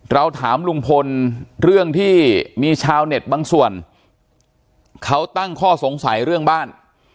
เราถามลุงพลเรื่องที่มีชาวเน็ตบางส่วนเขาตั้งข้อสงสัยเรื่องบ้าน